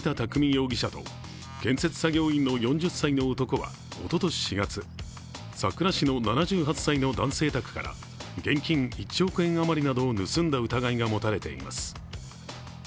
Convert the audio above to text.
容疑者と、建設作業員の４０歳の男はおととし４月、さくら市の７８歳の男性宅から現金１億円余りなどを盗んだ疑いが持たれています。